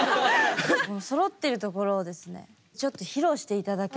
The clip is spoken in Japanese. そろってるところをですねちょっと披露して頂けないかと。